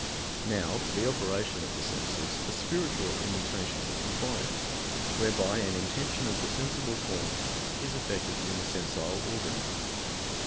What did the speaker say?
Now, for the operation of the senses, a spiritual immutation is required, whereby an intention of the sensible form is effected in the sensile organ.